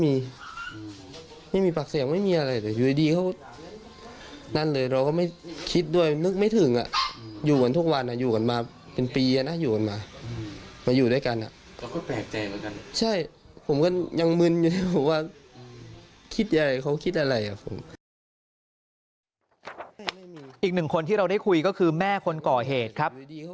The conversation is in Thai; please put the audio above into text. อีกหนึ่งคนที่เราได้คุยก็คือแม่คนก่อเหตุครับ